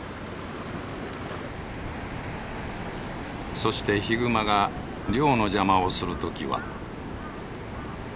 そしてヒグマが漁の邪魔をするときは。